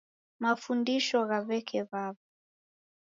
Mafundisho gha w'eke w'aw'a